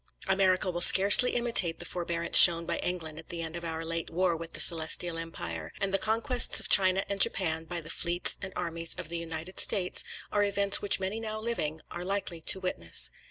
America will scarcely imitate the forbearance shown by England at the end of our late war with the Celestial Empire; and the conquests of China and Japan by the fleets and armies of the United States, are events which many now living are likely to witness.